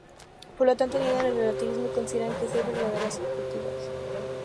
Por lo tanto niegan el relativismo y consideran que sí hay verdades objetivas.